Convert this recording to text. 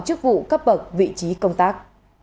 chức vụ cấp bậc vị trí công tác